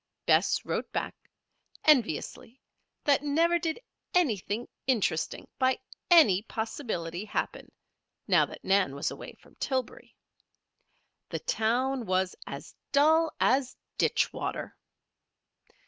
Bess wrote back, enviously, that never did anything interesting, by any possibility, happen, now that Nan was away from Tillbury. The town was "as dull as ditch water."